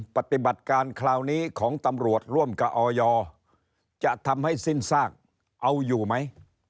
ปฏิบัติการคราวนี้ของตำรวจร่วมกับออยจะทำให้สิ้นซากเอาอยู่ไหม